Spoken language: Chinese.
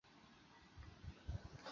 疏花马蓝属是爵床科下的一个属。